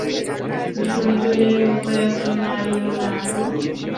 ঝুনঝুনির মতো এত নাড়িও না তো!